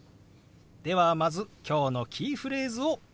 ではまず今日のキーフレーズを見てみましょう。